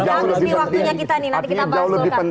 jauh lebih penting kita bisa berbicara tentang pak ical